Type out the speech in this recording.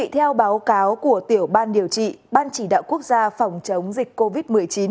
theo báo cáo của tiểu ban điều trị ban chỉ đạo quốc gia phòng chống dịch covid một mươi chín